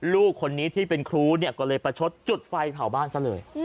ลูกคนนี้ที่เป็นครูเนี่ยก็เลยประชดจุดไฟเผาบ้านซะเลย